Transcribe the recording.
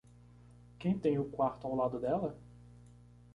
Quem tem o quarto ao lado dela?